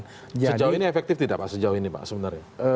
sejauh ini efektif tidak pak sejauh ini pak sebenarnya